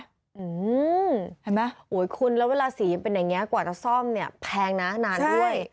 เห็นไหมคุณแล้วเวลาสีมันเป็นอย่างนี้กว่าจะซ่อมเนี่ยแพงนะนานด้วย